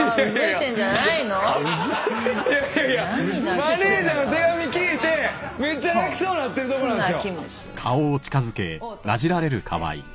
いやいやマネジャーの手紙聞いてめっちゃ泣きそうになってるとこなんですよ。